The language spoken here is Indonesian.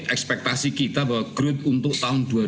ekspektasi kita bahwa growth untuk tahun dua ribu dua puluh